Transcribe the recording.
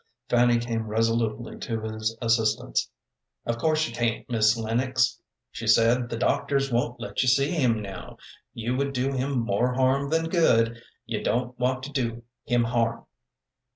Fanny came resolutely to his assistance. "Of course you can't, Miss Lennox," she said. "The doctors won't let you see him now. You would do him more harm than good. You don't want to do him harm!"